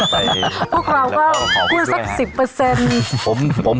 พวกเราก็พูดสัก๑๐